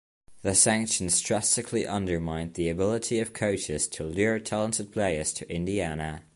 The sanctions drastically undermined the ability of coaches to lure talented players to Indiana.